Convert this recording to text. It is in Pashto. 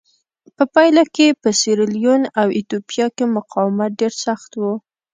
په پایله کې په سیریلیون او ایتوپیا کې مقاومت ډېر سخت و.